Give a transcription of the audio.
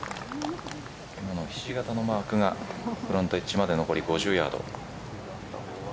今のひし形のマークがフロントエッジまで残り５０ヤード。